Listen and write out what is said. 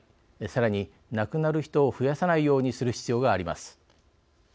さらに、亡くなる人を増やさないようにする必要があります。